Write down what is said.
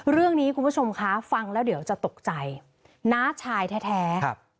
เรื่องนี้คุณผู้ชมคะฟังแล้วเดี๋ยวจะตกใจน้าชายแท้แท้